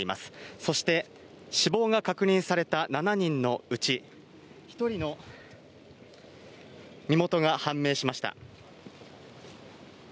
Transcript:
そして死亡が確認された７人のうち、１人の身元が判明しました。